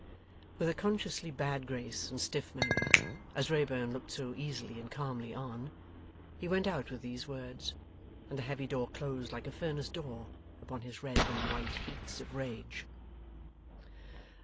With a consciously bad grace and stiff manner, as Wrayburn looked so easily and calmly on, he went out with these words, and the heavy door closed like a furnace door upon his red and white heats of rage.